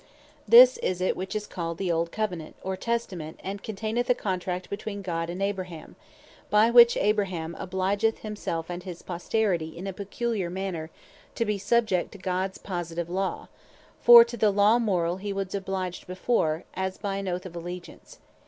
This is it which is called the Old Covenant, or Testament; and containeth a Contract between God and Abraham; by which Abraham obligeth himself, and his posterity, in a peculiar manner to be subject to Gods positive Law; for to the Law Morall he was obliged before, as by an Oath of Allegiance.